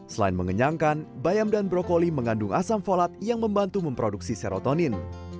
selain mengenyangkan bayam dan brokoli mengandung asam folat yang membantu memproduksi serotonin